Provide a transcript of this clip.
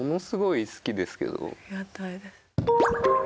ありがたいです。